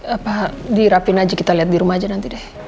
apa di rapiin aja kita liat dirumah aja nanti deh